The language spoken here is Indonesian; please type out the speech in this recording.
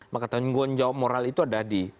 maka tanggung jawab moral itu ada di